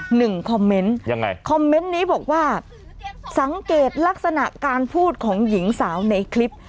หนึ่งคอมเมนต์ยังไงคอมเมนต์นี้บอกว่าสังเกตลักษณะการพูดของหญิงสาวในคลิป